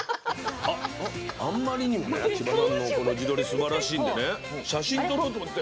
あんまりにもね千葉さんのこの地鶏すばらしいんでね写真撮ろうと思って。